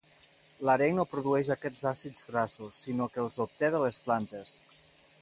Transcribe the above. L'areng no produeix aquests àcids grassos, sinó que els obté de les plantes.